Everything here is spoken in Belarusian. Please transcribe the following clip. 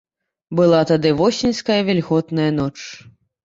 Была тады восеньская вільготная ноч.